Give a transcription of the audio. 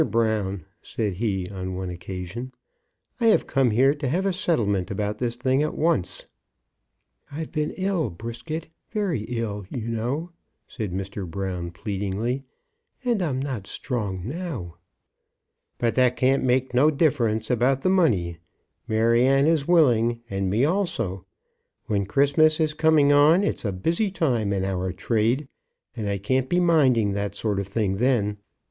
Brown!" said he, on one occasion, "I have come here to have a settlement about this thing at once." "I've been ill, Brisket; very ill, you know," said Mr. Brown, pleadingly, "and I'm not strong now." "But that can't make no difference about the money. Maryanne is willing, and me also. When Christmas is coming on, it's a busy time in our trade, and I can't be minding that sort of thing then.